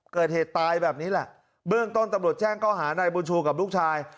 เกิดเหตุตายแบบนี้แหละเบื้องต้นตำรวจแจ้งข้อหานายบุญชูกับลูกชาย